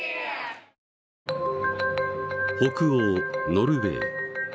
北欧ノルウェー。